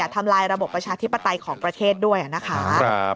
ประชาธิปไตยของประเทศด้วยนะคะ